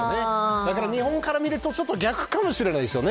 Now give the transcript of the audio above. だから日本から見ると、ちょっと逆かもしれないですよね。